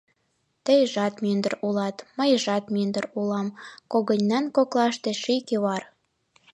Тыйжат мӱндыр улат, мыйжат мӱндыр улам, Когыньнан коклаште ший кӱвар.